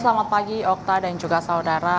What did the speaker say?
selamat pagi okta dan juga saudara